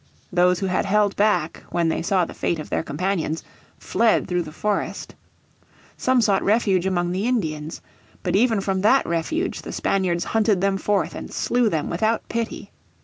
Those who had held back, when they saw the fate of their companions, fled through the forest. Some sought refuge among the Indians. But even from that refuge the Spaniards hunted them forth and slew them without pity.